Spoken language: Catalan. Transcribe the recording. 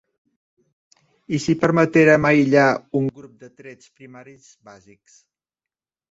I si permetérem aïllar un grup de trets primaris bàsics?